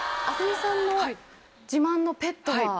明日海さんの自慢のペットは？